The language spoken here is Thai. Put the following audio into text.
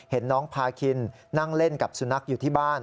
เห็นน้องพาคินนั่งเล่นกับสุนัขอยู่ที่บ้าน